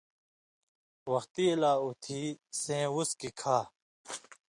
وختی لا اُتھی سَیں وُڅکی کھا